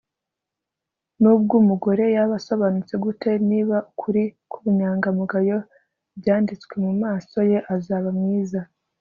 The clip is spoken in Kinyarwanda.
nubwo umugore yaba asobanutse gute, niba ukuri n'ubunyangamugayo byanditswe mu maso ye, azaba mwiza